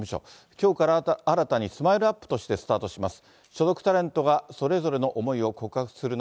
きょうから新たにＳＭＩＬＥーＵＰ．としてスタートします。